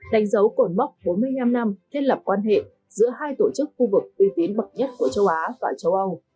đánh dấu cột mốc bốn mươi năm năm thiết lập quan hệ giữa hai tổ chức khu vực uy tín bậc nhất của châu á và châu âu